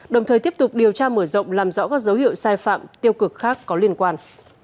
đồng thời tiếp tục điều tra mở rộng làm rõ các dấu hiệu sai phạm tiêu cực khác có liên quan